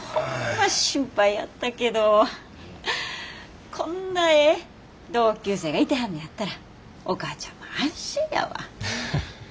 心配やったけどこんなええ同級生がいてはんのやったらお母ちゃんも安心やわ。